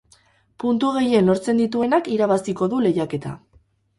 Puntu gehien lortzen dituenak irabaziko du lehiaketa.